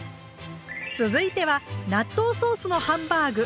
続いては納豆ソースのハンバーグ。